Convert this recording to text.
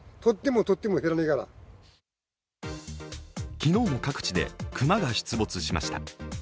昨日も各地で熊が出没しました。